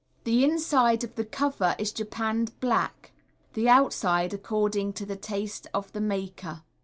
The inside of the cover is japanned black, the outside according to the taste of the maker.